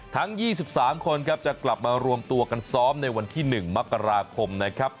ทั้ง๒๓คนครับจะกลับมารวมตัวกันซ้อมในวันที่๑มกราคมนะครับ